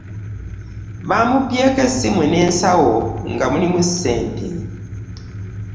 Bamubyeko essimu ne nsawo nga mulimu ssente.